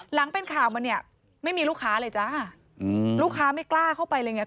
หลังเป็นข่าวมาเนี่ยไม่มีลูกค้าเลยจ้าอืมลูกค้าไม่กล้าเข้าไปเลยไง